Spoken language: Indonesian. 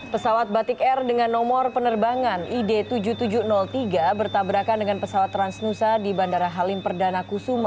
pesawat batik air dengan nomor penerbangan id tujuh ribu tujuh ratus tiga bertabrakan dengan pesawat transnusa di bandara halim perdana kusuma